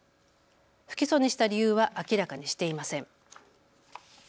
不起訴にした理由は明らかにしていません。